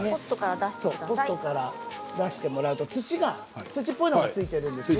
ポットから出してもらうと土っぽいのがついてると思います。